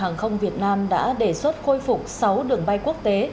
hàng không việt nam đã đề xuất khôi phục sáu đường bay quốc tế